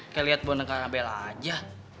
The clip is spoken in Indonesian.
kayak liat boneka nabel aja